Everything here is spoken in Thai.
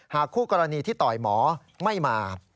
คู่กรณีที่ต่อยหมอไม่มา